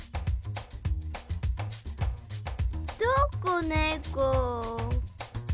どこねこ？